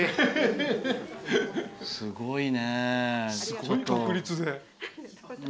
すごいね。